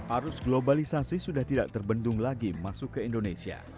arus globalisasi sudah tidak terbendung lagi masuk ke indonesia